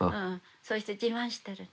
そうして自慢してるの。